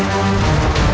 aku tidak tahu